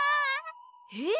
えっ？